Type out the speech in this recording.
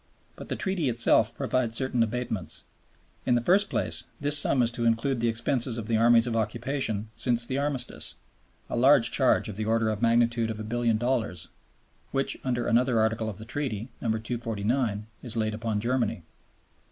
But the Treaty itself provides certain abatements. In the first place, this sum is to include the expenses of the Armies of Occupation since the Armistice (a large charge of the order of magnitude of $1,000,000,000 which under another Article of the Treaty No. 249 is laid upon Germany).